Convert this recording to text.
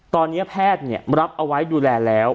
ตอนนี้แพทย์รับเอาไว้ดูแลแล้ว